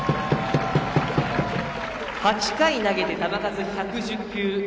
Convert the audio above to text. ８回投げて、球数１１０球。